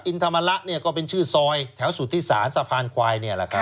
อินทรรมระก็เป็นชื่อซอยแถวสุทธิษศาสตร์สะพานควาย